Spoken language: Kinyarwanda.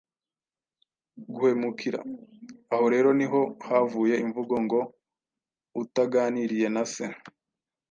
guhemukira. Aho rero ni ho havuye imvugo ngo “Utaganiriye na se